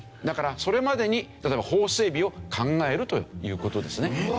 だからそれまでに法整備を考えるという事ですね。